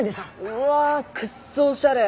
うわあ！クソおしゃれ。